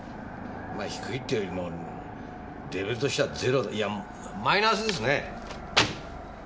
まぁ低いっていうよりもレベルとしてはゼロいやマイナスですね。